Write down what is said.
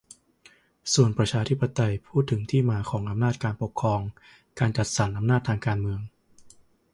ส่วนประชาธิปไตยพูดถึงที่มาของอำนาจการปกครอง-การจัดสรรอำนาจทางการเมือง